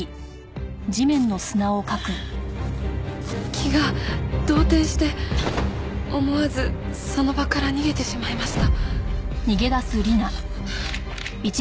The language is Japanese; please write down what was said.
気が動転して思わずその場から逃げてしまいました。